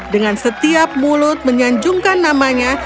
dengan setiap mulut menyanjungkan namanya